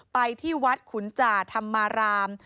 ไปที่วัดขุนจ่าธรรมาราม